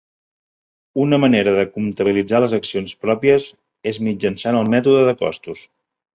Una manera de comptabilitzar les accions pròpies és mitjançant el mètode de costos.